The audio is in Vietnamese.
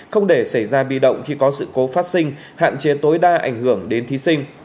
không để xảy ra bi động khi có sự cố phát sinh hạn chế tối đa ảnh hưởng đến thí sinh